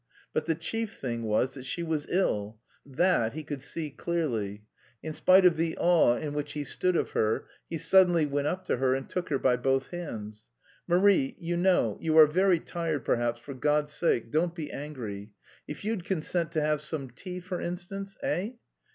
But the chief thing was that she was ill, that he could see clearly. In spite of the awe in which he stood of her he suddenly went up to her and took her by both hands. "Marie... you know... you are very tired, perhaps, for God's sake, don't be angry.... If you'd consent to have some tea, for instance, eh?